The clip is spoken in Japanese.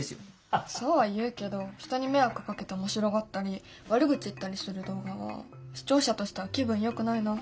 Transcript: そうは言うけど人に迷惑をかけて面白がったり悪口言ったりする動画は視聴者としては気分よくないな。